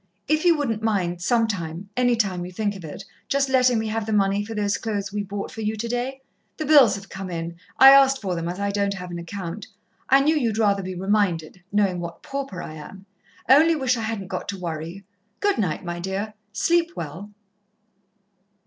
If you wouldn't mind, sometime any time you think of it just letting me have the money for those clothes we bought for you today. The bills have come in I asked for them, as I don't have an account. I knew you'd rather be reminded, knowing what pauper I am. I only wish I hadn't got to worry you. Good night, my dear. Sleep well."